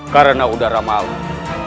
karena udara malam